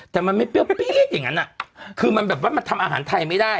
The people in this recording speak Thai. แต่มันไม่เปรี้ยวปี๊ดอย่างนั้นคือมันแบบว่ามันทำอาหารไทยไม่ได้